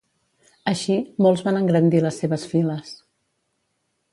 Així, molts van engrandir les seves files.